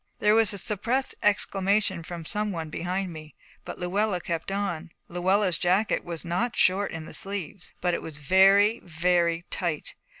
There was a suppressed exclamation from some one behind me, but Luella kept on. Luella's jacket was not short in the sleeves, but it was very very tight.